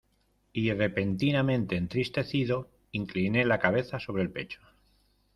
y repentinamente entristecido, incliné la cabeza sobre el pecho.